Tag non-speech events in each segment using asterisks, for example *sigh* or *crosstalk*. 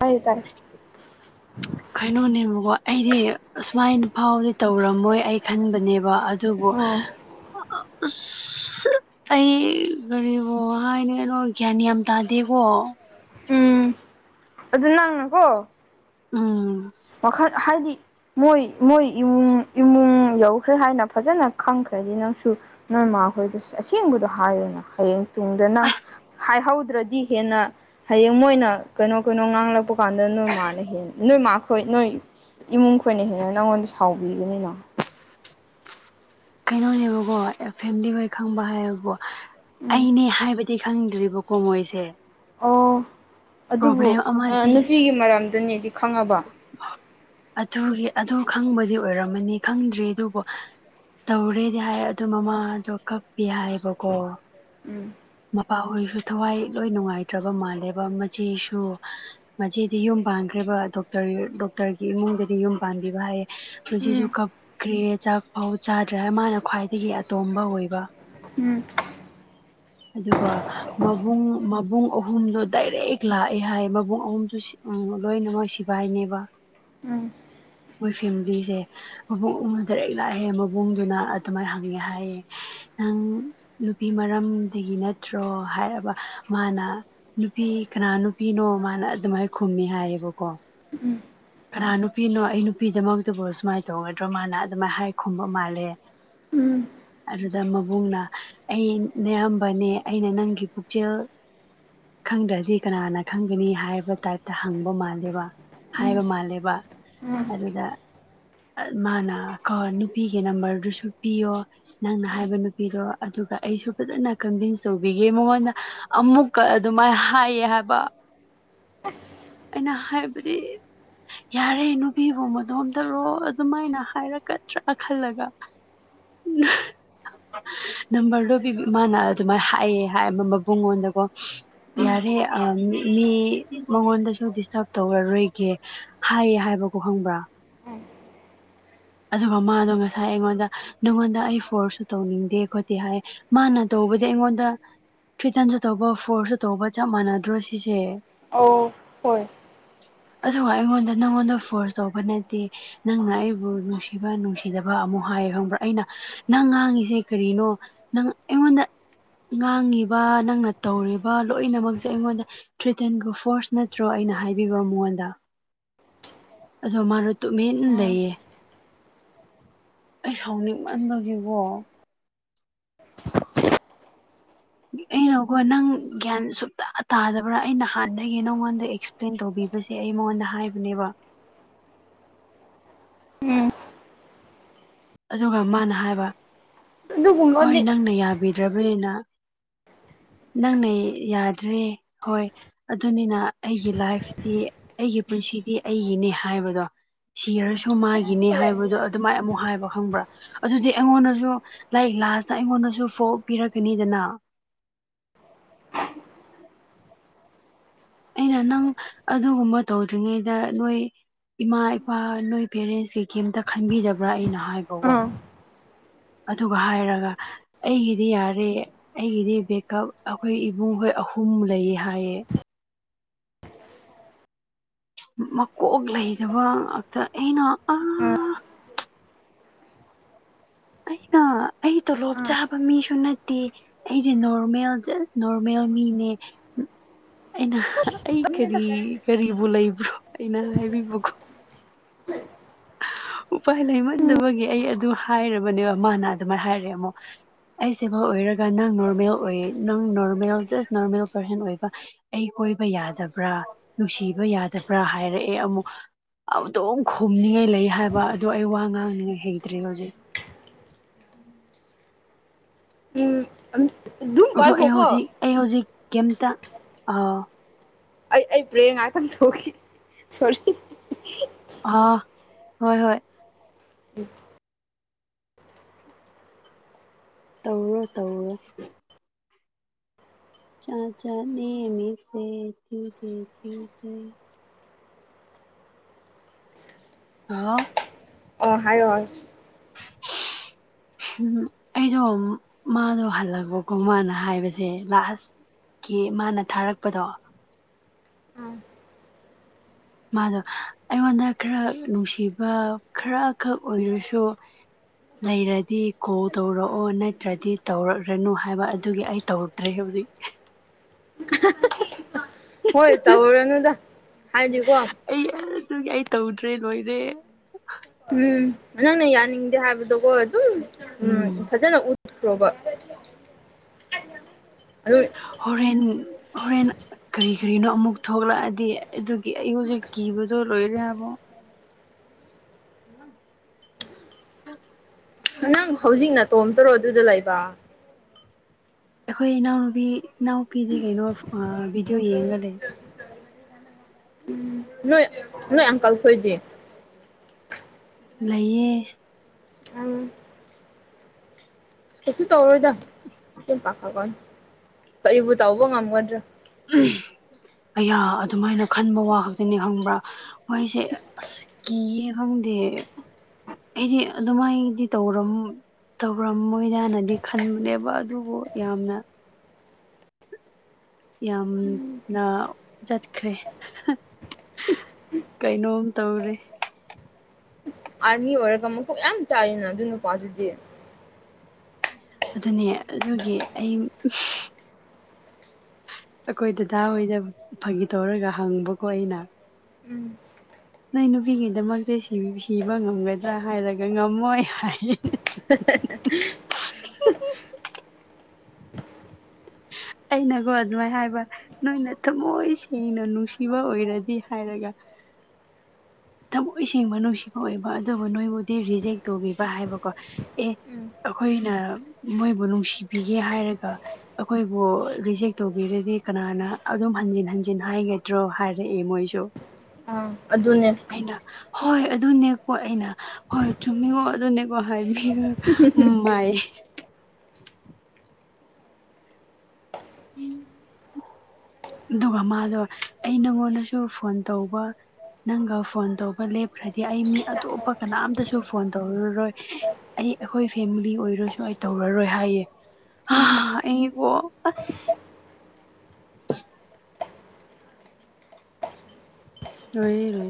ꯍꯥꯏꯌꯣ ꯇꯥꯏ *inaudible* ꯀꯩꯅꯣꯅꯦꯕꯀꯣ ꯑꯩꯗꯤ ꯑꯁꯨꯃꯥꯏꯅꯐꯥꯎꯗꯤ ꯇꯧꯔꯝꯃꯣꯏ ꯑꯩ ꯈꯟꯕꯅꯦꯕ ꯑꯠ ꯗꯨꯕꯨ ꯑꯣ ꯑꯁꯁꯥ ꯑꯩ ꯀꯔꯤꯕꯨ ꯍꯥꯏꯗꯣꯏꯅꯣ ꯒ꯭ꯌꯥꯟ ꯌꯥꯝ ꯇꯥꯗꯦꯀꯣ ꯎꯝ ꯑꯗꯨ ꯅꯪꯅꯀꯣ ꯎꯝ ꯋꯥꯈꯠ ꯍꯥꯏꯗꯤ ꯃꯣꯏ ꯃꯣꯏ ꯏꯃꯨꯡ ꯏꯃꯨꯡ ꯌꯧꯈ꯭ꯔꯦ ꯍꯥꯏꯅ ꯐꯖꯅ ꯈꯪꯈ꯭ꯔꯗꯤ ꯅꯪꯁꯨ ꯅꯣꯏꯃꯈꯣꯏꯗꯁꯨ ꯑꯁꯦꯡꯕꯗꯣ ꯍꯥꯏꯌꯨꯅ ꯍꯥꯌꯦꯡ ꯇꯨꯡꯗ ꯅꯪ ꯑꯁ ꯍꯥꯏꯍꯧꯗ꯭ꯔꯗꯤ ꯍꯦꯟꯅ ꯍꯌꯦꯡ ꯃꯣꯏꯅ ꯀꯩꯅꯣ ꯀꯩꯅꯣ ꯉꯥꯡꯂꯛꯄ ꯗꯨꯀꯥꯟꯗ ꯅꯣꯏ ꯃꯥꯅ ꯍꯦꯟꯅ ꯅꯣꯏ ꯃꯥ ꯈꯣꯏ ꯅꯣꯏ ꯏꯃꯨꯡ ꯈꯣꯏꯅ ꯍꯦꯟꯅ ꯅꯪꯉꯣꯟꯗ ꯁꯥꯎꯕꯤꯒꯅꯤꯅ ꯀꯩꯅꯣꯅꯦꯕꯀꯣ ꯑꯦ ꯐꯦꯃꯤꯂꯤ ꯍꯣꯏ ꯈꯪꯕꯍꯥꯏꯕꯨ ꯎꯝ ꯑꯩꯅꯦ ꯍꯥꯏꯕꯗꯤ ꯈꯪꯗ꯭ꯔꯤꯕꯀꯣ ꯃꯣꯏꯁꯦ ꯑꯣ ꯑꯗꯨꯕꯨ ꯄ꯭ꯔꯣꯕ꯭ꯂꯦꯝ ꯑꯃꯗꯤ ꯅꯨꯄꯤꯒꯤ ꯑꯥ ꯃꯔꯝꯗꯅꯦꯗꯤ ꯈꯪꯉꯕ ꯑꯗꯨꯒꯤ ꯑꯗꯨ ꯈꯪꯕꯗꯤ ꯑꯣꯏꯔꯝꯃꯅꯤ ꯈꯪꯗ꯭ꯔꯤ ꯑꯗꯨꯕꯨ ꯇꯧꯔꯦꯗꯤ ꯍꯥꯏ ꯑꯗꯣ ꯃꯃꯥꯗꯣ ꯀꯥꯞꯄꯤ ꯍꯥꯏꯕꯀꯣ ꯎꯝ ꯃꯄꯥꯍꯣꯏꯁꯨ ꯊꯋꯥꯏ ꯂꯣꯏ ꯅꯨꯡꯉꯥꯏꯇ꯭ꯔꯕ ꯃꯥꯜꯂꯦꯕ ꯃꯆꯦꯁꯨ ꯃꯆꯦꯗꯤ ꯌꯨꯝ ꯄꯥꯟꯈ꯭ꯔꯦꯕ ꯗꯣꯛꯇꯔ ꯗꯣꯛꯇꯔꯒꯤ ꯏꯃꯨꯡꯗꯗꯤ ꯌꯨꯝ ꯄꯥꯟꯕꯤꯕ ꯍꯥꯏꯌꯦ ꯎꯝ ꯍꯨꯖꯤꯛꯁꯨ ꯀꯥꯞꯈ꯭ꯔꯦ ꯆꯥꯛꯐꯥꯎ ꯆꯥꯗ꯭ꯔꯦ ꯃꯥꯅ ꯈ꯭ꯋꯥꯏꯗꯒꯤ ꯑꯇꯣꯝꯕ ꯑꯣꯏꯕ ꯎꯝ ꯑꯗꯨꯒ ꯃꯕꯨꯡ ꯃꯕꯨꯡ ꯑꯍꯨꯝꯗꯣ ꯗꯥꯏꯔꯦꯛ ꯂꯥꯛꯑꯦ ꯍꯥꯏꯌꯦ ꯃꯕꯨꯡ ꯑꯍꯨꯝꯗꯨ ꯁꯤ ꯎꯝ ꯂꯣꯏꯅꯃꯛ ꯁꯤꯕꯥꯥꯏꯅꯦꯕ ꯎꯝ ꯃꯣꯏ ꯐꯦꯃꯤꯂꯤꯖꯦ ꯃꯕꯨꯡ ꯑꯍꯨꯝ ꯗꯥꯔꯦꯛ ꯂꯥꯛꯑꯦ ꯃꯕꯨꯡꯗꯨꯅ ꯑꯗꯨꯃꯥꯏꯅ ꯍꯪꯉꯦ ꯍꯥꯏꯌꯦ ꯅꯪ ꯅꯨꯄꯤ ꯃꯔꯝꯗꯒꯤ ꯅꯠꯇ꯭ꯔꯣ ꯍꯥꯏꯔꯕ ꯃꯥꯅ ꯅꯨꯄꯤ ꯀꯅꯥ ꯅꯨꯄꯤꯅꯣ ꯃꯥꯅ ꯑꯗꯨꯃꯥꯏ ꯈꯨꯝꯃꯦ ꯍꯥꯏꯌꯦꯕꯀꯣ ꯀꯅꯥ ꯅꯨꯄꯤꯅꯣ ꯑꯩ ꯅꯨꯄꯤꯗꯃꯛꯇꯕꯨ ꯁꯨꯃꯥꯏ ꯇꯧꯒꯗ꯭ꯔꯣ ꯃꯥꯅ ꯑꯗꯨꯃꯥꯏ ꯍꯥꯏ ꯈꯨꯝꯕ ꯃꯥꯜꯂꯦ ꯑꯗꯨꯗ ꯃꯕꯨꯡꯅ ꯑꯩ ꯅꯌꯥꯝꯕꯅꯦ ꯑꯩꯅ ꯅꯪꯒꯤ ꯄꯨꯛꯆꯦꯜ ꯈꯪꯗ꯭ꯔꯗꯤ ꯀꯅꯥꯅ ꯈꯪꯒꯅꯤ ꯍꯥꯏꯕ ꯇꯥꯏꯞꯇ ꯍꯪꯕ ꯃꯥꯜꯂꯦꯕ ꯍꯥꯏꯕ ꯃꯥꯜꯂꯦꯕ ꯎꯝ ꯑꯗꯨꯗ ꯑꯠ ꯃꯥꯅ ꯀꯣ ꯅꯨꯄꯤꯒꯤ ꯅꯝꯕꯔꯗꯨꯁꯨ ꯄꯤꯌꯣ ꯅꯪꯅ ꯍꯥꯏꯕ ꯅꯨꯄꯤꯗꯣ ꯑꯗꯨꯒ ꯑꯩꯁꯨ ꯐꯖꯅ ꯀꯟꯚꯤꯟꯁ ꯇꯧꯕꯤꯒꯦ ꯃꯉꯣꯟꯗ ꯑꯃꯨꯛꯀ ꯑꯗꯨꯃꯥꯏ ꯍꯥꯏꯌꯦ ꯍꯥꯏꯕ ꯑꯩꯅ ꯍꯥꯏꯕꯗꯤ ꯌꯥꯔꯦ ꯅꯨꯄꯤꯕꯨ ꯃꯗꯣꯝꯇꯔꯣ ꯑꯗꯨꯃꯥꯏꯅ ꯍꯥꯏꯔꯛꯀꯗ꯭ꯔꯥ ꯈꯜꯂꯒ ꯅ ꯅꯝꯕꯔꯗꯣ ꯕꯤꯕꯤ ꯃꯥꯅ ꯑꯗꯨꯃꯥꯏ ꯍꯥꯏꯌꯦ ꯍꯥꯏ ꯃꯕꯨꯡꯉꯣꯟꯗꯀꯣ ꯎꯝ ꯌꯥꯔꯦ ꯑꯥ ꯃꯤ ꯃꯉꯣꯟꯗꯁꯨ ꯗꯤꯁꯇꯥꯔꯞ ꯇꯧꯔꯔꯣꯏꯒꯦ ꯍꯥꯏꯌꯦ ꯍꯥꯏꯕꯀꯣ ꯈꯪꯕ꯭ꯔꯥ ꯎꯝ ꯑꯗꯨꯒ ꯃꯥꯗꯣ ꯉꯁꯥꯏ ꯑꯩꯉꯣꯟꯗ ꯅꯪꯉꯣꯟꯗ ꯑꯩ ꯐꯣꯔꯁꯁꯨ ꯇꯧꯅꯤꯡꯗꯦ ꯈꯣꯠꯇꯦ ꯍꯥꯏ ꯃꯥꯅ ꯇꯧꯕꯗꯤ ꯑꯩꯉꯣꯟꯗ ꯊ꯭ꯔꯤꯇꯟꯁꯨ ꯇꯧꯕ ꯐꯣꯔꯁꯁꯨ ꯇꯧꯕ ꯆꯞ ꯃꯥꯟꯅꯗ꯭ꯔꯣ ꯁꯤꯁꯦ ꯑꯧ ꯍꯣꯏ ꯑꯗꯨꯒ ꯑꯩꯉꯣꯟꯗ ꯅꯪꯉꯣꯟꯗ ꯐꯣꯔꯁ ꯇꯧꯕ ꯅꯠꯇꯦ ꯅꯪꯅ ꯑꯩꯕꯨ ꯅꯨꯡꯁꯤꯕ ꯅꯨꯡꯁꯤꯗꯕ ꯑꯃꯨꯛ ꯍꯥꯏꯌꯦ ꯈꯪꯕ꯭ꯔꯥ ꯑꯩꯅ ꯅꯪ ꯉꯥꯡꯉꯤꯁꯦ ꯀꯔꯤꯅꯣ ꯅꯪ ꯑꯩꯉꯣꯟꯗ ꯉꯥꯡꯉꯤꯕ ꯅꯪꯅ ꯇꯧꯔꯤꯕ ꯂꯣꯏꯅꯃꯛꯁꯦ ꯑꯩꯉꯣꯟꯗ ꯊ꯭ꯔꯤꯇꯟꯒ ꯐꯣꯔꯁ ꯅꯠꯇ꯭ꯔꯣ ꯑꯩꯅ ꯍꯥꯏꯕꯤꯕ ꯃꯉꯣꯟꯗ ꯑꯗꯣ ꯃꯥꯗꯣ ꯇꯨꯃꯤꯟ ꯎꯝ ꯂꯩꯌꯦ ꯑꯩ ꯁꯥꯎꯅꯤꯡꯃꯟꯕꯒꯤꯀꯣ ꯑꯩꯅꯀꯣ ꯅꯪ ꯒ꯭ꯌꯥꯟ ꯁꯨꯛꯇ ꯇꯥꯗꯕ꯭ꯔꯥ ꯑꯩ ꯅꯍꯥꯟꯗꯒꯤ ꯅꯪꯉꯣꯟꯗ ꯑꯦꯛꯁ ꯄ꯭ꯂꯦꯟ ꯇꯧꯕꯤꯕꯁꯦ ꯑꯩ ꯃꯉꯣꯟꯗ ꯍꯥꯏꯕꯅꯦꯕ ꯎꯝ ꯑꯗꯨꯒ ꯃꯥꯅ ꯍꯥꯏꯕ ꯍꯣꯏ ꯑꯗꯨꯒꯨꯝꯕꯗꯤ ꯅꯪꯅ ꯌꯥꯕꯤꯗ꯭ꯔꯕꯅꯤꯅ ꯅꯪꯅ ꯌꯥꯗ꯭ꯔꯦ ꯍꯣꯏ ꯑꯗꯨꯅꯤꯅ ꯑꯩꯒꯤ ꯂꯥꯏꯐꯇꯤ ꯑꯩꯒꯤ ꯄꯨꯟꯁꯤꯗꯤ ꯑꯩꯒꯤꯅꯦ ꯍꯥꯏꯕꯗꯣ ꯁꯤꯔꯁꯨ ꯃꯥꯒꯤꯅꯦ ꯍꯥꯏꯕꯗꯣ ꯑꯗꯨꯃꯥꯏ ꯑꯃꯨꯛ ꯍꯥꯏꯕ ꯈꯪꯕ꯭ꯔꯥ ꯑꯗꯨꯗꯤ ꯑꯩꯉꯣꯟꯗꯁꯨ ꯂꯥꯏꯛ ꯂꯥꯁꯇ ꯑꯩꯉꯣꯟꯗꯁꯨ ꯐꯣꯜꯠ ꯄꯤꯔꯛꯀꯅꯤꯗꯅ ꯑꯩꯅ ꯅꯪ ꯑꯗꯨꯒꯨꯝꯕ ꯇꯧꯗ꯭ꯔꯤꯉꯩꯗ ꯅꯣꯏ ꯏꯃꯥ ꯏꯄꯥ ꯅꯣꯏ ꯄꯦꯔꯦꯟꯁ ꯀꯤ ꯀꯩꯝꯇ ꯈꯟꯕꯤꯗꯕ꯭ꯔꯥ ꯑꯩꯅ ꯍꯥꯏꯕꯀꯣ ꯎꯝ ꯑꯗꯨꯒ ꯍꯥꯏꯔꯒ ꯑꯩꯒꯤꯗꯤ ꯌꯥꯔꯦ ꯑꯩꯒꯤꯗꯤ ꯕꯦꯛꯀꯞ ꯑꯈꯣꯏ ꯏꯕꯨꯡꯍꯣꯏ ꯑꯍꯨꯝ ꯂꯩꯌꯦ ꯍꯥꯏꯌꯦ ꯃꯀꯣꯛ ꯂꯩꯗꯕ ꯉꯥꯛꯇ ꯑꯩꯅ ꯎꯝ ꯑꯥ ꯑꯩꯅ ꯑꯩ ꯇꯣꯂꯣꯞ ꯆꯥꯕ ꯃꯤꯁꯨ ꯅꯠꯇꯦ ꯑꯩꯗꯤ ꯅꯣꯔꯃꯦꯜ ꯖꯁ ꯅꯣꯔꯃꯦꯜ ꯃꯤꯅꯦ ꯑꯩꯅ ꯑꯩ ꯇꯝꯅꯤꯗ ꯀꯔꯤ ꯀꯔꯤꯕꯨ ꯂꯩꯕ꯭ꯔꯣ ꯑꯩꯅ ꯍꯥꯏꯕꯤꯕꯀꯣ ꯎꯄꯥꯏ ꯂꯩꯃꯟꯗꯕꯒꯤ ꯑꯩ ꯑꯗꯨ ꯍꯥꯏꯔꯕꯅꯦꯕ ꯃꯥꯅ ꯑꯗꯨꯃꯥꯏ ꯍꯥꯏꯔꯦ ꯑꯃꯨꯛ ꯑꯩ ꯁꯦꯕꯜ ꯑꯣꯏꯔꯒ ꯅꯪ ꯅꯣꯔꯃꯦꯜ ꯑꯣꯏꯌꯦ ꯅꯪ ꯅꯣꯔꯃꯦꯜ ꯖꯁ ꯅꯣꯔꯃꯦꯜ ꯄꯔꯁꯟ ꯑꯣꯏꯕ ꯑꯩ ꯀꯣꯏꯕ ꯌꯥꯗꯕ꯭ꯔꯥ ꯅꯨꯡꯁꯤꯕ ꯌꯥꯗꯕ꯭ꯔꯥ ꯍꯥꯏꯔꯑꯦ ꯑꯃꯨꯛ ꯑꯝꯗꯨꯝ ꯈꯨꯝꯅꯤꯡꯉꯥꯏ ꯂꯩ ꯍꯥꯏꯕ ꯑꯗꯣ ꯑꯩ ꯋꯥ ꯉꯥꯡꯅꯤꯡꯉꯩ ꯍꯩꯇ꯭ꯔꯦꯕ ꯍꯧꯖꯤꯛ ꯎꯝ ꯑꯗꯨꯝ ꯑꯗꯣ ꯑꯩ ꯄꯥꯏꯈꯣꯀꯣ ꯍꯧꯖꯤꯛ ꯑꯩ ꯍꯧꯖꯤꯛ ꯀꯦꯝꯇ ꯑꯥ ꯑꯩ ꯑꯩ ꯄ꯭ꯔꯦꯌꯔ ꯉꯥꯛꯇꯪ ꯇꯧꯈꯤ ꯁꯣꯔꯤ ꯍꯥ ꯍꯣꯏ ꯍꯣꯏ *inaudible* ꯇꯧꯔꯨꯔꯣ ꯇꯧꯔꯨꯔꯣ ꯖꯥꯠ ꯖꯥꯠꯅꯦ ꯃꯤꯁꯦ *unintelligible* *unintelligible* ꯑꯣ ꯍꯥꯏꯌꯣ ꯍꯥꯏꯌꯣ ꯍꯨꯝ ꯑꯩꯗꯣ ꯃꯥꯗꯣ ꯍꯜꯂꯛꯄꯀꯣ ꯃꯥꯅ ꯍꯥꯏꯕꯁꯦ ꯂꯥꯁ ꯀꯤ ꯃꯥꯅ ꯊꯥꯔꯛꯄꯗꯣ ꯃꯥꯗꯣ ꯑꯩꯉꯣꯟꯗ ꯈꯔ ꯅꯨꯡꯁꯤꯕ ꯈꯔꯈꯛ ꯑꯣꯏꯔꯁꯨ ꯂꯩꯔꯗꯤ ꯀꯣꯜ ꯇꯧꯔꯛꯑꯣ ꯅꯠꯇ꯭ꯔꯗꯤ ꯇꯧꯔꯛꯔꯅꯨ ꯍꯥꯏꯕ ꯑꯗꯨꯒꯤ ꯑꯩ ꯇꯧ ꯇ꯭ꯔꯦ ꯍꯧꯖꯤꯛ *unintelligible* ꯍꯣꯏ ꯇꯧꯔꯨꯔꯅꯨꯗ ꯍꯥꯏꯗꯤ ꯀꯣ ꯑꯩ ꯑꯗꯨꯒꯤ ꯑꯩ ꯇꯧꯗ꯭ꯔꯦ ꯂꯣꯏꯔꯦ ꯎꯝ ꯅꯪꯅ ꯌꯥꯅꯤꯡꯗꯦ ꯍꯥꯏꯕꯗꯣꯀꯣ ꯑꯗꯨꯝ ꯎꯝ ꯐꯖꯅ ꯎꯠꯈ꯭ꯔꯣꯕ ꯑꯗꯨꯢ ꯍꯣꯔꯦꯟ ꯍꯣꯔꯦꯟ ꯀꯔꯤ ꯀꯔꯤꯅꯣ ꯑꯃꯨꯛ ꯊꯣꯛꯂꯑꯗꯤ ꯑꯗꯨꯒꯤ ꯑꯩ ꯍꯨꯖꯤꯛ ꯀꯤꯕꯗꯣ ꯂꯣꯏꯔꯦ ꯍꯥꯕ ꯅꯪ ꯍꯧꯖꯤꯛ ꯅꯇꯣꯝꯇꯔꯣ ꯑꯗꯨꯗ ꯂꯩꯕ ꯑꯈꯣꯏ ꯏꯅꯥꯎꯅꯨꯄꯤ ꯏꯅꯥꯎꯄꯤꯗꯤ ꯀꯩꯅꯣ ꯑꯥ ꯚꯤꯗꯤꯑꯣ ꯌꯦꯡꯉꯒ ꯂꯩ ꯅꯣꯏ ꯅꯣꯏ ꯑꯪꯀꯜ ꯈꯣꯏꯗꯤ ꯂꯩꯌꯦ ꯑꯥ ꯀꯩꯁꯨ ꯇꯧꯔꯣꯏꯗ ꯀꯦꯝ ꯄꯥꯈꯠꯀꯅꯣ ꯀꯔꯤꯕꯨ ꯇꯧꯕ ꯉꯝꯒꯗ꯭ꯔꯥ ꯎꯝ ꯑꯌꯥ ꯑꯗꯨꯃꯥꯏꯅ ꯈꯟꯕ ꯋꯥ ꯈꯛꯇꯅꯤ ꯈꯪꯕ꯭ꯔ ꯃꯣꯏꯁꯦ ꯑꯁ ꯀꯤꯌꯦ ꯈꯪꯗꯦ ꯑꯩꯗꯤ ꯑꯗꯨꯃꯥꯏꯗꯤ ꯇꯧꯔꯝ ꯇꯧꯔꯝꯃꯣꯏꯗꯅꯗꯤ ꯈꯟꯕꯅꯦꯕ ꯑꯗꯨꯕꯨ ꯌꯥꯝꯅ ꯌꯥꯝꯅ ꯆꯠꯈ꯭ꯔꯦ ꯀꯩꯅꯣꯝ ꯇꯧꯔꯦ ꯑꯥꯔꯃꯤ ꯑꯣꯏꯔꯒ ꯃꯀꯣꯛ ꯌꯥꯝ ꯆꯥꯛꯑꯦꯅ ꯑꯗꯨ ꯅꯨꯄꯥ ꯗꯨꯗꯤ ꯑꯗꯨꯅꯦ ꯑꯗꯨꯒꯤ ꯑꯩ ꯑꯈꯣꯏ ꯗꯗꯥ ꯍꯣꯏꯗ ꯐꯒꯤ ꯇꯧꯔꯒ ꯍꯪꯕꯀꯣ ꯑꯩꯅ ꯎꯝ ꯅꯣꯏ ꯅꯨꯄꯤꯒꯤꯗꯃꯛꯇ ꯁꯤ ꯁꯤꯕ ꯉꯝꯒꯗ꯭ꯔꯥ ꯍꯥꯏꯔꯒ ꯉꯝꯃꯣꯏ ꯍꯥꯏꯌꯦ *unintelligible* ꯑꯩꯅꯀꯣ ꯑꯗꯨꯃꯥꯏ ꯍꯥꯏꯕ ꯅꯪꯅ ꯊꯃꯣꯏ ꯁꯦꯡꯅ ꯅꯨꯡꯁꯤꯕ ꯑꯣꯏꯔꯗꯤ ꯍꯥꯏꯔꯒ ꯊꯃꯣꯏ ꯁꯦꯡꯕ ꯅꯨꯡꯁꯤꯕ ꯑꯣꯏꯕ ꯑꯗꯨꯕꯨ ꯅꯣꯏꯕꯨꯗꯤ ꯔꯤꯖꯦꯛ ꯇꯧꯕꯤꯕ ꯍꯥꯏꯕꯀꯣ ꯑꯦ ꯎꯝ ꯑꯈꯣꯏꯅ ꯃꯣꯏꯕꯨ ꯅꯨꯡꯁꯤꯕꯤꯌꯦ ꯍꯥꯏꯔꯒ ꯑꯈꯣꯏꯕꯨ ꯔꯤꯖꯦꯛ ꯇꯧꯕꯤꯔꯗꯤ ꯀꯅꯥꯅ ꯑꯗꯨꯝ ꯍꯟꯖꯤꯟ ꯍꯟꯖꯤꯟ ꯍꯥꯏꯒꯗ꯭ꯔꯣ ꯍꯥꯏꯔꯛꯑꯦ ꯃꯣꯏꯁꯨ ꯑꯥ ꯑꯗꯨꯅꯦ ꯑꯩꯅ ꯍꯣꯏ ꯑꯗꯨꯅꯦꯀꯣ ꯑꯩꯅ ꯍꯣꯏ ꯆꯨꯝꯃꯤꯉꯣ ꯑꯗꯨꯅꯦ ꯃꯥ *unintelligible* ꯃꯥꯏ *unintelligible* ꯑꯗꯨꯒ ꯃꯥꯗꯣ ꯑꯩ ꯅꯪꯉꯣꯟꯗꯁꯨ ꯐꯣꯟ ꯇꯧꯕ ꯅꯪꯒ ꯐꯣꯟ ꯇꯧꯕ ꯂꯦꯞꯈ꯭ꯔꯗꯤ ꯑꯩ ꯃꯤ ꯑꯇꯣꯞꯄ ꯀꯅꯥꯝꯇꯁꯨ ꯐꯣꯟ ꯇꯧꯔꯔꯣꯏ ꯑꯩ ꯑꯈꯣꯏ ꯐꯦꯝꯂꯤ ꯑꯣꯏꯔꯁꯨ ꯑꯩ ꯇꯧꯔꯔꯣꯏ ꯍꯥꯏꯌꯦ ꯍꯥ ꯑꯩꯀꯣ ꯑꯁ ꯂꯣꯏꯔꯦ ꯂꯣꯏ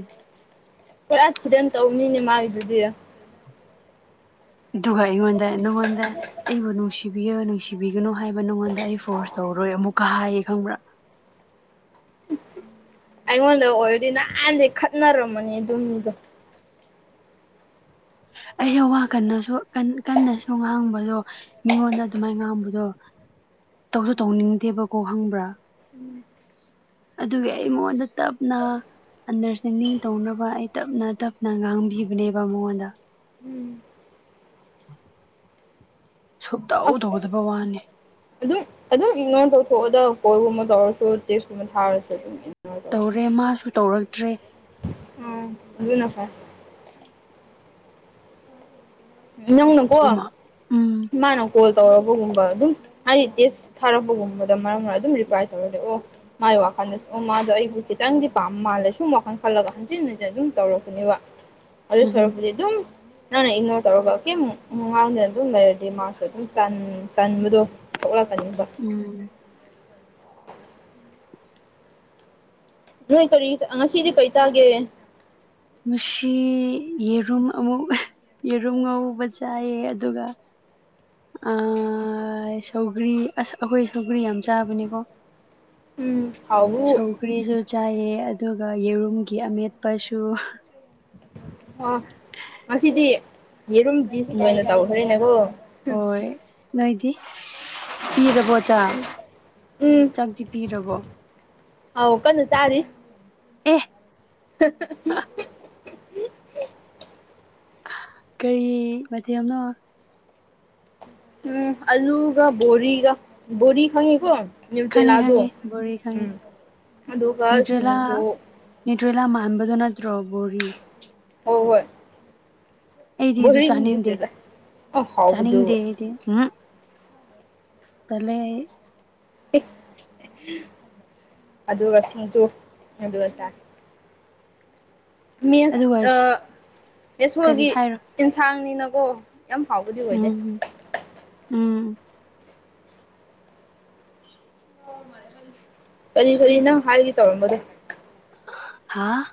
ꯄꯨꯔꯥ ꯇꯤꯔꯇꯟ ꯇꯧꯅꯤꯅꯦ ꯃꯥꯒꯤꯗꯨꯗꯤ ꯗꯨꯒꯥ ꯑꯩꯉꯣꯟꯗ ꯅꯪꯉꯣꯟꯗ ꯑꯩꯕꯨ ꯅꯨꯡꯁꯤꯕꯤꯌꯨ ꯅꯨꯡꯁꯤꯕꯤꯒꯅꯨ ꯍꯥꯏꯕ ꯅꯪꯉꯣꯟꯗ ꯑꯩ ꯐꯣꯔꯁ ꯇꯧꯔꯣꯏ ꯑꯃꯨꯛꯀ ꯍꯥꯏꯌꯦ ꯈꯪꯕ꯭ꯔꯥ ꯑꯩꯉꯣꯟꯗ ꯑꯣꯏꯔꯗꯤ ꯅꯍꯥꯟꯅ ꯈꯠꯅꯔꯝꯃꯅꯤ ꯑꯗꯨ ꯃꯤꯗꯣ ꯑꯩ ꯋꯥ ꯀꯟꯅꯁꯨ ꯀꯟ ꯀꯟꯅꯁꯨ ꯉꯥꯡꯕꯗꯣ ꯃꯤꯉꯣꯟꯗ ꯑꯗꯨꯃꯥꯏ ꯉꯥꯡꯕꯗꯣ ꯇꯧꯁꯨ ꯇꯧꯅꯤꯡꯗꯦꯕꯀꯣ ꯈꯪꯕ꯭ꯔꯥ ꯎꯝ ꯑꯗꯨꯒꯤ ꯑꯩꯉꯣꯟꯗ ꯇꯞꯅ ꯑꯟꯗꯔꯁꯇꯦꯟꯗꯤꯡ ꯇꯧꯅꯕ ꯑꯩ ꯇꯞꯅ ꯇꯞꯅ ꯉꯥꯡꯕꯤꯕꯅꯦꯕ ꯃꯉꯣꯟꯗ ꯎꯝ ꯁꯨꯛꯇꯧ ꯑꯁ ꯇꯧꯗꯕ ꯋꯥꯅꯦ ꯑꯗꯨꯝ ꯑꯗꯨꯝ ꯏꯛꯅꯣꯔ ꯇꯧꯊꯣꯛꯑꯣꯗ ꯀꯣꯜꯒꯨꯝꯕ ꯇꯧꯔꯁꯨ ꯇꯦꯛꯁꯀꯨꯝꯕ ꯊꯥꯔꯁꯨ ꯑꯗꯨꯝ ꯏꯛꯅꯣꯔ ꯇꯧꯔꯦ ꯃꯥꯁꯨ ꯇꯧꯔꯛꯇ꯭ꯔꯦ ꯑꯥ ꯑꯗꯨꯅ ꯐꯩ ꯅꯪꯅꯀꯣ ꯑꯃ ꯎꯝ ꯃꯥꯅ ꯀꯣꯜ ꯇꯧꯔꯛꯄꯒꯨꯝꯕ ꯑꯗꯨꯝ ꯍꯥꯏꯗꯤ ꯇꯦꯛꯁ ꯊꯥꯔꯛꯄꯒꯨꯝꯕꯗ ꯃꯔꯝ ꯑꯗꯨꯝ ꯔꯤꯄ꯭ꯂꯥꯏ ꯇꯧꯔꯗꯤ ꯑꯣ ꯃꯥꯏ ꯋꯥꯈꯜꯗꯁꯨ ꯑꯣ ꯃꯥꯗꯣ ꯑꯩꯕꯨ ꯆꯤꯠ ꯈꯤꯇꯪꯗꯤ ꯄꯥꯝ ꯃꯥꯜꯂꯦ ꯁꯨꯝ ꯋꯥꯈꯜ ꯈꯜꯂꯒ ꯍꯟꯖꯤꯟ ꯍꯟꯖꯤꯟ ꯑꯗꯨꯝ ꯇꯧꯔꯛꯀꯅꯦꯕ ꯑꯗꯨ ꯎꯝ ꯁꯔꯨꯛꯄꯨꯗꯤ ꯑꯗꯨꯝ ꯅꯪꯅ ꯏꯛꯅꯣꯔ ꯇꯧꯔꯒ ꯀꯩꯝ ꯉꯥꯡꯗꯅ ꯑꯗꯨꯝ ꯂꯩꯔꯗꯤ ꯃꯥꯁꯨ ꯑꯗꯨꯝ ꯇꯟ ꯇꯟꯕꯗꯣ ꯊꯣꯛꯂꯛꯀꯅꯤꯕ ꯎꯝ ꯅꯣꯏ ꯀꯔꯤ ꯑꯥ ꯉꯁꯤꯗꯤ ꯀꯩ ꯆꯥꯒꯦ ꯉꯁꯤ ꯌꯦꯔꯨꯝ ꯑꯃꯨꯛ ꯌꯦꯔꯨꯝ ꯉꯧꯕ ꯆꯥꯏꯌꯦ ꯑꯗꯨꯒ ꯑꯥ ꯁꯧꯒ꯭ꯔꯤ ꯑꯁ ꯑꯈꯣꯏ ꯁꯧꯒ꯭ꯔꯤ ꯌꯥꯝ ꯆꯥꯕꯅꯤꯀꯣ ꯎꯝ ꯍꯥꯎꯋꯤ ꯄꯨꯔꯤꯁꯨ ꯆꯥꯏꯌꯦ ꯑꯗꯨꯒ ꯌꯦꯔꯨꯝꯒꯤ ꯑꯃꯦꯠꯄꯁꯨ ꯑꯣ ꯉꯁꯤꯗꯤ ꯌꯦꯔꯨꯝ ꯗꯤꯁ ꯎꯝ ꯑꯣꯏꯅ ꯇꯧꯈ꯭ꯔꯦꯅꯦꯀꯣ ꯍꯣꯏ ꯅꯣꯏꯗꯤ ꯄꯤꯔꯕꯣ ꯆꯥꯏ ꯎꯝ ꯎꯝ ꯆꯥꯛꯇꯤ ꯄꯤꯔꯕꯣ ꯑꯧ ꯀꯟꯅ ꯆꯥꯔꯤ ꯑꯦ *unintelligible* ꯀꯔꯤ ꯃꯊꯦꯜꯅꯣ ꯎꯝ ꯑꯂꯨꯒ ꯕꯣꯔꯤꯒ ꯕꯣꯔꯤ ꯈꯪꯉꯦꯀꯣ ꯈꯪꯉꯦ ꯅ꯭ꯌꯨꯇ꯭ꯔꯦꯂꯥꯗꯣ ꯈꯪꯉꯦ ꯕꯣꯔꯤ ꯈꯪꯉꯦ ꯎꯝ ꯑꯗꯨꯒ ꯅ꯭ꯌꯨꯇ꯭ꯔꯦꯂꯥ ꯁꯤꯡꯖꯨ ꯅ꯭ꯌꯨꯇ꯭ꯔꯦꯂꯥ ꯃꯥꯟꯕꯗꯨ ꯅꯠꯇ꯭ꯔꯣ ꯕꯣꯔꯤ ꯍꯣ ꯍꯣꯏ ꯑꯩꯗꯤ ꯑꯗꯨ ꯕꯣꯔꯤ ꯆꯥꯅꯤꯡꯗꯦ ꯅ꯭ꯌꯨꯇ꯭ꯔꯦꯂꯥ ꯑ ꯆꯥꯅꯤꯡꯗꯦ ꯍꯥꯎꯕꯗꯨ ꯑꯩꯗꯤ ꯎꯍꯝ ꯇꯜꯂꯦ ꯑꯩ ꯑꯦꯍ ꯑꯗꯨꯒ ꯁꯤꯡꯖꯨ ꯑꯩꯗꯤ ꯂꯣꯏ ꯆꯥꯏ ꯃꯤꯁ ꯑꯗꯨꯒ ꯑꯥ ꯀꯔꯤ ꯑꯦꯁꯣꯒꯤ ꯍꯥꯏꯔꯣ ꯑꯦꯟꯁꯥꯡꯅꯤꯅꯀꯣ ꯎꯝ ꯎꯝ ꯀꯔꯤ ꯀꯔꯤꯅꯣ ꯍꯥꯏꯒꯦ ꯇꯧꯔꯝꯕꯗꯨ ꯍꯥꯥ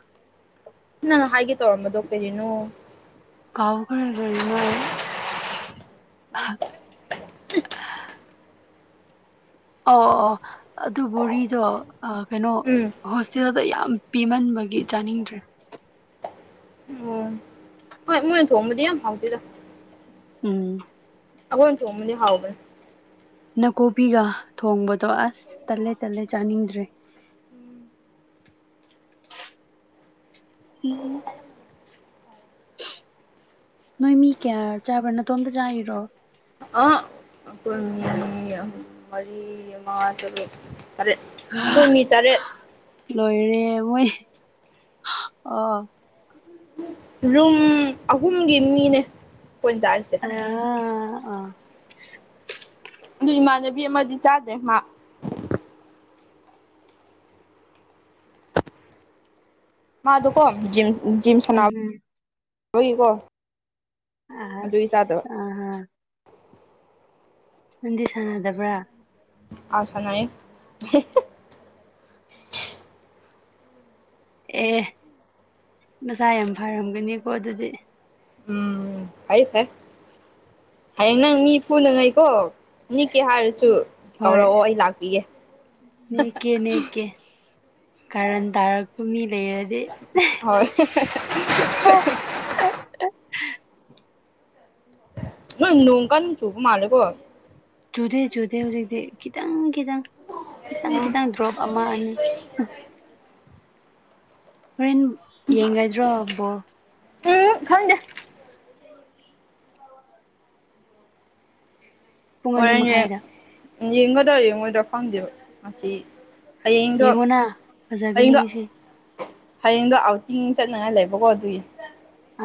ꯅꯪꯅꯥ ꯍꯥꯏꯒꯦ ꯇꯧꯔꯝꯕꯗꯣ ꯀꯔꯤꯅꯣ ꯀꯥꯎꯈ꯭ꯔꯦ ꯂꯣꯏꯅ *unintelligible* ꯑꯣꯈ *unintelligible* ꯑꯧ ꯑꯧ ꯑꯧ ꯑꯗꯨ ꯕꯣꯔꯤꯗꯣ ꯑꯥ ꯀꯩꯅꯣ ꯎꯝ ꯍꯣꯁꯇꯦꯜꯗ ꯌꯥꯝ ꯄꯤꯃꯟꯕꯒꯤ ꯆꯥꯅꯤꯡꯗ꯭ꯔꯦ ꯑꯣ ꯍꯣꯏ ꯃꯣꯏꯅ ꯊꯣꯡꯕꯗꯤ ꯌꯥꯝ ꯍꯥꯎꯇꯦꯗ ꯎꯝ ꯑꯈꯣꯏꯅ ꯊꯣꯡꯕꯗꯤ ꯍꯥꯎꯕꯅꯤ ꯅꯥꯀꯨꯞꯄꯤꯒ ꯊꯣꯡꯕꯗꯣ ꯑꯥꯁ ꯇꯜꯂꯦ ꯇꯜꯂꯦ ꯆꯥꯅꯤꯡꯗ꯭ꯔꯦ *unintelligible* ꯎꯝ ꯅꯣꯏ ꯃꯤ ꯀꯌꯥꯔ ꯆꯥꯕ꯭ꯔꯥ ꯅꯇꯣꯝꯇ ꯆꯥꯏꯔꯣ ꯑꯥ ꯑꯈꯣꯏ ꯃꯤ ꯑꯍꯨꯝ ꯃꯔꯤ ꯃꯉꯥ ꯇꯔꯨꯛ ꯇꯔꯦꯠ ꯍꯥ ꯑꯈꯣꯏ ꯃꯤ ꯇꯔꯦꯠ ꯂꯣꯏꯔꯦ ꯃꯣꯏ ꯑꯣ ꯔꯨꯝ ꯑꯍꯨꯝꯒꯤ ꯃꯤꯅꯦ ꯑꯈꯣꯏꯅ ꯆꯥꯏꯁꯦ ꯑꯣ *unintelligible* ꯑꯗꯨ ꯏꯃꯥꯟꯅꯕꯤ ꯑꯃꯗꯤ ꯆꯥꯗ꯭ꯔꯦ ꯃꯥ ꯃꯥꯗꯣꯀꯣ ꯖꯤꯝ ꯖꯤꯝ ꯎꯝ ꯁꯥꯟꯅꯕꯒꯤꯀꯣ ꯑꯗꯨꯒꯤ ꯆꯥꯗꯕ ꯑꯥꯁ ꯑꯥ ꯍ ꯅꯪꯗꯤ ꯁꯥꯟꯅꯗꯕ꯭ꯔꯥ ꯑ ꯁꯥꯟꯅꯩꯌꯦ *unintelligible* ꯑꯦꯍ ꯃꯁꯥ ꯌꯥꯝ ꯐꯔꯝꯒꯅꯤꯀꯣ ꯑꯗꯨꯗꯤ ꯎꯝ ꯐꯩꯌꯦ ꯐꯩ ꯍꯌꯦꯡ ꯅꯪ ꯃꯤ ꯐꯨꯅꯤꯡꯉꯩꯀꯣ ꯅꯤꯛꯀꯦ ꯍꯥꯏꯔꯁꯨ ꯍꯣꯏ ꯀꯧꯔꯛꯑꯣ ꯑꯩ ꯂꯥꯛꯄꯤꯒꯦ ꯅꯦꯛꯀꯦ ꯅꯦꯛꯀꯦ ꯀꯥꯔꯟ ꯇꯥꯔꯛꯄ ꯃꯤ ꯂꯩꯌꯔ ꯍꯣꯏ ꯍꯥꯍꯥꯍꯥ ꯅꯣꯢ ꯅꯣꯡꯀꯥꯟ ꯆꯨꯕ ꯃꯥꯜꯂꯦꯀꯣ ꯆꯨꯗꯦ ꯆꯨꯗꯦ ꯍꯧꯖꯤꯛꯇꯤ ꯈꯤꯇꯪ ꯈꯤꯇꯪ ꯈꯤꯇꯪ ꯎꯝ ꯈꯤꯇꯪ ꯄ꯭ꯔꯣꯞ ꯑꯃ ꯑꯅꯤ ꯍꯣꯔꯦꯟ ꯌꯦꯡꯔꯩꯗ꯭ꯔꯣ ꯕꯣꯜ ꯎꯝ ꯈꯪꯗꯦ ꯄꯨꯡ ꯑꯅꯤ ꯍꯣꯔꯦꯟꯒꯤ ꯃꯈꯥꯏꯗ ꯌꯦꯡꯒꯗ꯭ꯔ ꯌꯦꯡꯉꯣꯢꯗ꯭ꯔ ꯈꯪꯗꯦꯕ ꯉꯁꯤ ꯍꯌꯦꯡꯗꯣ ꯌꯦꯡꯉꯣꯅ ꯐꯖꯒꯅꯤ ꯍꯌꯦꯡꯗꯣ ꯉꯁꯤ ꯍꯌꯦꯡꯗꯣ ꯑꯥꯎꯇꯤꯡ ꯆꯠꯅꯤꯡꯉꯥꯢ ꯂꯩꯕꯀꯣ ꯑꯗꯨꯒꯤ